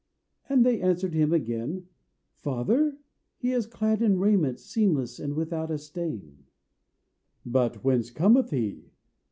And they answered him again "Father, he is clad in raiment Seamless and without a stain!" "But whence cometh he?"